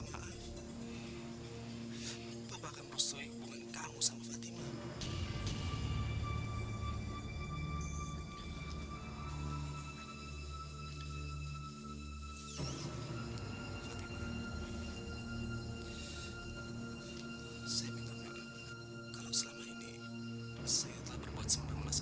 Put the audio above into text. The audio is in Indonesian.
nanti rindu sekolah aja nih sekarang